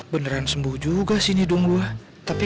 beneran sembuh juga sih hidung gua tapi